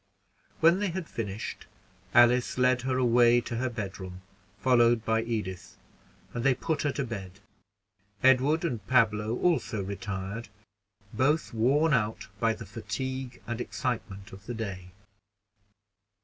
When they had finished, Alice led her away to her bedroom, followed by Edith, and they put her to bed. Edward and Pablo also retired, both worn out by the fatigue and excitement of the day.